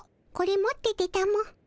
これ持っててたも。